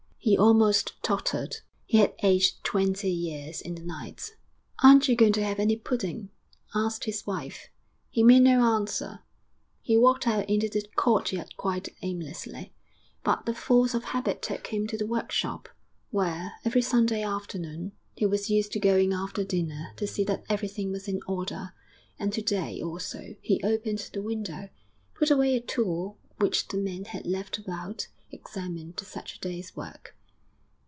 He almost tottered; he had aged twenty years in the night. 'Aren't you going to have any pudding?' asked his wife. He made no answer. He walked out into the courtyard quite aimlessly, but the force of habit took him to the workshop, where, every Sunday afternoon, he was used to going after dinner to see that everything was in order, and to day also he opened the window, put away a tool which the men had left about, examined the Saturday's work....